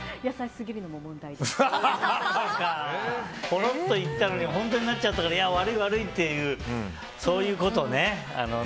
ぽろっと言ったのに本当になっちゃったから悪い、悪いっていうそういうことね。